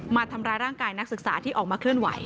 มาทำร้ายร่างกายนักศึกษาที่ออกมาเคลื่อนไหว